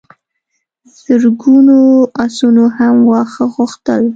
زرګونو آسونو هم واښه غوښتل.